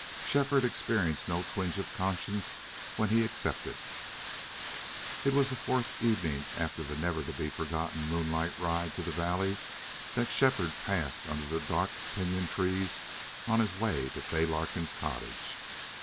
Shefford experienced no twinge of conscience when he accepted. It was the fourth evening after the never to be forgotten moonlight ride to the valley that Shefford passed under the dark pinyon trees on his way to Fay Larkin's cottage.